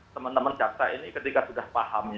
teman teman jaksa ini ketika sudah paham